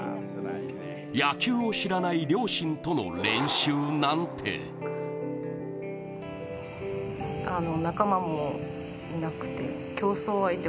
野球を知らない両親との練習なんてどうしたの？